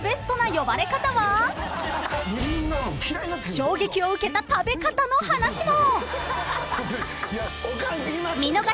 ［衝撃を受けた食べ方の話も］